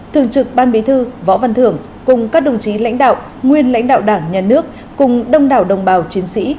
thường trực ban bí thư võ văn thưởng cùng các đồng chí lãnh đạo nguyên lãnh đạo đảng nhà nước cùng đông đảo đồng bào chiến sĩ